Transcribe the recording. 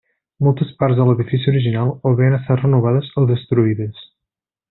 Moltes parts de l'edifici original, o bé han estat renovades o destruïdes.